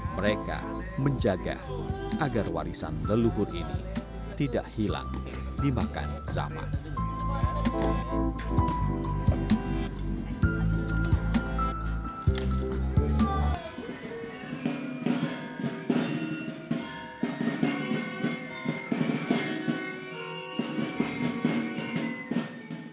mereka menjaga agar warisan leluhur ini tidak hilang dimakan zaman